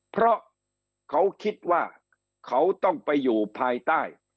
เพราะเขาคิดว่าเขาต้องไปอยู่ภายใต้